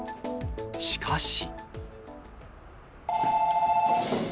しかし。